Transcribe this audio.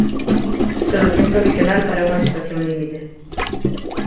Solución provisional para unha situación límite.